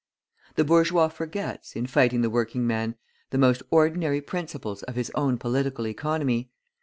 The bourgeois forgets, in fighting the working man, the most ordinary principles of his own Political Economy.